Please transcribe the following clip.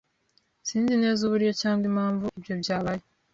Sinzi neza uburyo cyangwa impamvu ibyo byabaye.